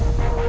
aku gak tahu